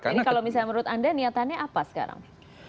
jadi kalau misalnya menurut anda niatannya apa sekarang